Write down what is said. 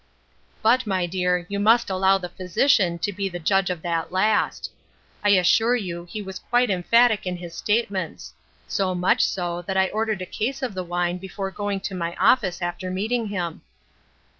" But, my dear, you must allow the physician to be the judge of that last. I assure you, he was quite emphatic in his statements ; so much so that I ordered a case of the wine before going to my office after meeting him."